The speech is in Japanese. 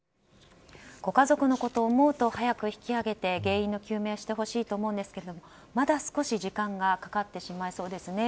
ご家族のことを思うと早く引き揚げて原因の究明をしてほしいと思うんですがまだ少し時間がかかってしまいそうですね。